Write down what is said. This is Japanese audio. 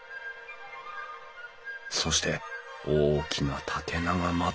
そして大きな縦長窓。